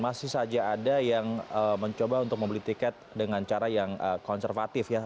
masih saja ada yang mencoba untuk membeli tiket dengan cara yang konservatif ya